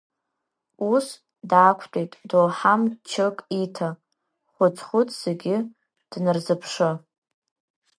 Ус, даақәтәеит доуҳа-мчык иҭа, Хәыц-хәыц зегьы днарзыԥшы…